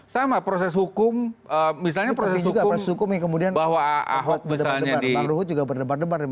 sama proses hukum misalnya proses hukum bahwa ahok misalnya di